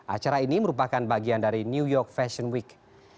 acara ini merupakan bagian dari new york fashion week